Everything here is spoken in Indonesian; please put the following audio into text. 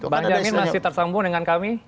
masih tersambung dengan kami